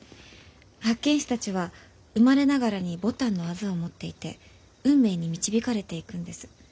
八犬士たちは生まれながらに牡丹の痣を持っていて運命に導かれていくんです。